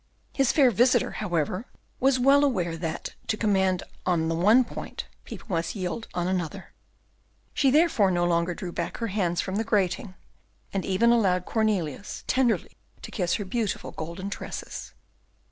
His fair visitor, however, was well aware that, to command on the one point, people must yield on another; she therefore no longer drew back her hands from the grating, and even allowed Cornelius tenderly to kiss her beautiful golden tresses.